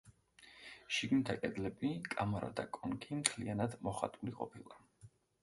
შიგნითა კედლები, კამარა და კონქი მთლიანად მოხატული ყოფილა.